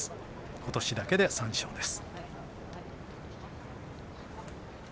ことしだけで３勝です。